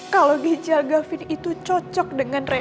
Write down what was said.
kalau ginjal gavind itu cocok dengan reno